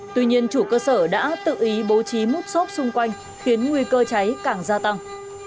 tuy nhiên chủ cơ sở đã tự ý bố trí múc xốp xung quanh khiến nguy cơ cháy càng gia tăng